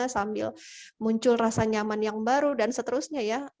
sambil muncul rasa nyaman yang baru dan seterusnya ya